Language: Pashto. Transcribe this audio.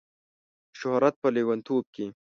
د شهرت په لیونتوب کې